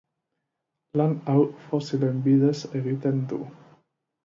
Lan hau fosilen bidez egiten du.